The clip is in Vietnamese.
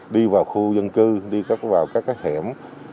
đi vào khu dân cư đi vào các hẻm